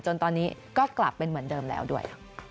จนตอนนี้ก็กลับเป็นเหมือนเดิมแล้วด้วย